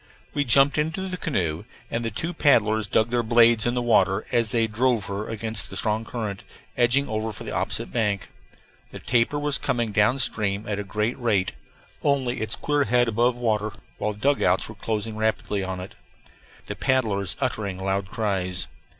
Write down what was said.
We jumped into the canoe and the two paddlers dug their blades in the water as they drove her against the strong current, edging over for the opposite bank. The tapir was coming down stream at a great rate, only its queer head above water, while the dugouts were closing rapidly on it, the paddlers uttering loud cries.